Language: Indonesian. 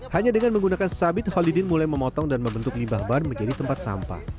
hanya dengan menggunakan sabit holidin mulai memotong dan membentuk limbah ban menjadi tempat sampah